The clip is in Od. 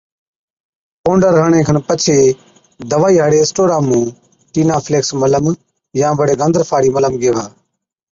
پونڊر هڻڻي کن پڇي دَوائِي هاڙي اسٽورا مُون ٽِينافيڪس ملم يان بڙي گندرفا هاڙِي ملم گيهوا